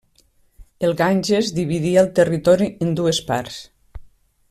El Ganges dividia el territori en dues parts.